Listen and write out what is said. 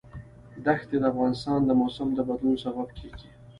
ښتې د افغانستان د موسم د بدلون سبب کېږي.